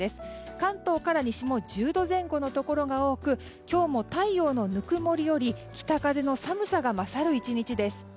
関東から西も１０度前後のところが多く今日も太陽の温もりより北風の寒さが勝る１日です。